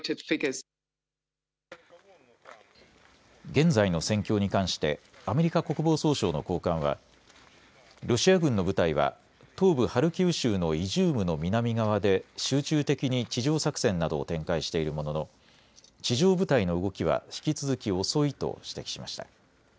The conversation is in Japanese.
現在の戦況に関してアメリカ国防総省の高官はロシア軍の部隊は東部ハルキウ州のイジュームの南側で集中的に地上作戦などを展開しているものの地上部隊の動きは引き続き遅いと指摘しました。